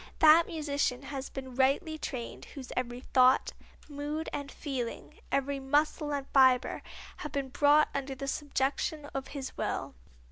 That musician has been rightly trained whose every thought, mood and feeling, every muscle and fibre, have been brought under the subjection of his will.